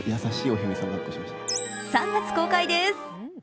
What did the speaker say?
３月公開です。